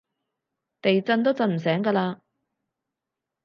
地震都震唔醒㗎喇